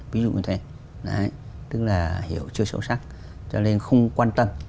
ví dụ như thế tức là hiểu chưa sâu sắc cho nên không quan tâm